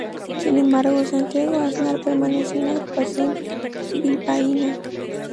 Sin embargo, Santiago Aznar permaneció en la agrupación bilbaína.